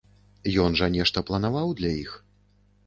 Ён жа нешта планаваў для іх?